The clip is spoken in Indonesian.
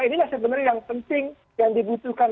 inilah sebenarnya yang penting yang dibutuhkan